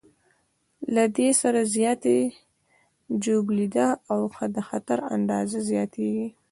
له دې سره د زیاتې ژوبلېدا او د خطر اندازه زیاتېږي.